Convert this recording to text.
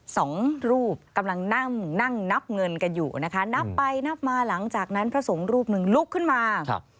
สองรูปกำลังนั่งนั่งนับเงินกันอยู่นะคะนับไปนับมาหลังจากนั้นพระสงฆ์รูปหนึ่งลุกขึ้นมาครับ